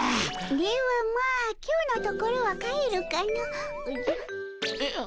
ではまあ今日のところは帰るかの。おじゃ。え？